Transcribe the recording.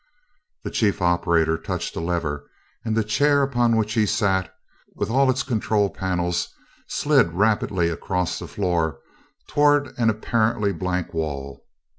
The chief operator touched a lever and the chair upon which he sat, with all its control panels, slid rapidly across the floor toward an apparently blank wall.